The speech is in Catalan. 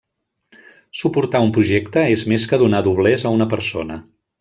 Suportar un projecte és més que donar doblers a una persona.